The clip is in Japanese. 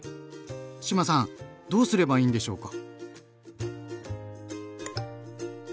志麻さんどうすればいいんでしょうか？